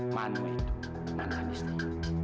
manu itu mantan istri